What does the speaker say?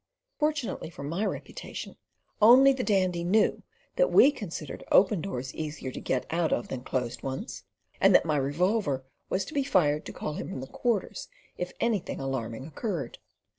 Fortunately for my reputation, only the Dandy knew that we considered open doors easier to get out of than closed ones, and that my revolver was to be fired to call him from the Quarters if anything alarming occurred.